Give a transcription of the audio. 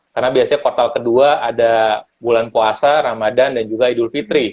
karena biasanya kuartal kedua ada bulan puasa ramadan dan juga idul fitri